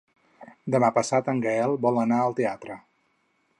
Demà passat en Gaël vol anar al teatre.